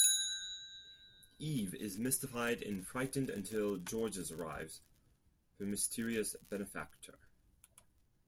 Eve is mystified and frightened until Georges arrives, her mysterious benefactor.